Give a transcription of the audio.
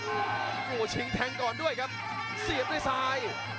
โอ้โหชิงแทงก่อนด้วยครับเสียบด้วยซ้าย